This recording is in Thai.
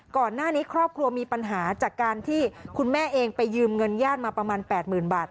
ครอบครัวมีปัญหาจากการที่คุณแม่เองไปยืมเงินญาติมาประมาณ๘๐๐๐บาท